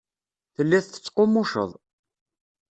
Telliḍ tettqummuceḍ.